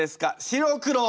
白黒。